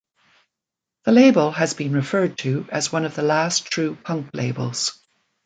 The label has been referred to as one of the last true punk labels.